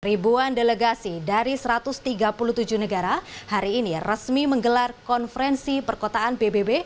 ribuan delegasi dari satu ratus tiga puluh tujuh negara hari ini resmi menggelar konferensi perkotaan pbb